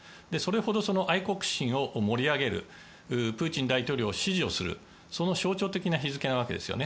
それほど愛国心を盛り上げるプーチン大統領を支持するその象徴的な日付のわけです。